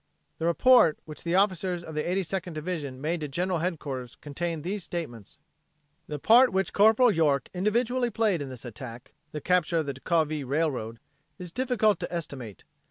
The report which the officers of the Eighty Second Division made to General Headquarters contained these statements: "The part which Corporal York individually played in this attack (the capture of the Decauville Railroad) is difficult to estimate.